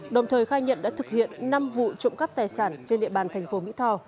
đồng thời khai nhận đã thực hiện năm vụ trộm cắp tài sản trên địa bàn thành phố mỹ tho